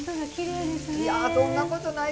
いやそんなことない。